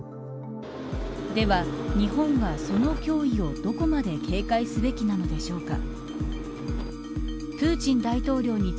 では、日本はその脅威をどこまで警戒すべきなのでしょうか。